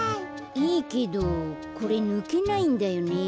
いいけどこれぬけないんだよね。